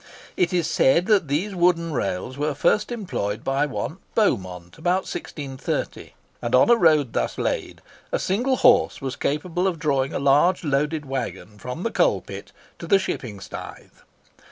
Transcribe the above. It is said that these wooden rails were first employed by one Beaumont, about 1630; and on a road thus laid, a single horse was capable of drawing a large loaded waggon from the coal pit to the shipping staith.